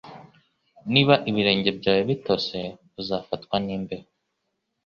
Niba ibirenge byawe bitose, uzafatwa n'imbeho.